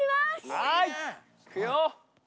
はいいくよ！